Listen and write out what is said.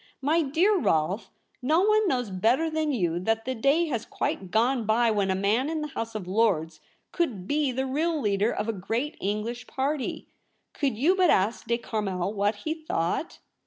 My dear Rolfe, no one knows better than you that the day has quite gone by when a man in the House of Lords could be the real leader of a great English party. Could you but ask De Carmel what he thought